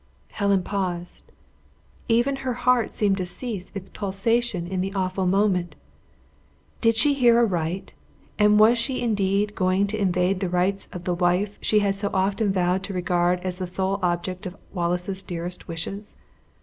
Helen paused even her heart seemed to cease its pulsation in the awful moment. Did she hear aright? and was she indeed going to invade the rights of the wife she had so often vowed to regard as the sole object of Wallace's dearest wishes?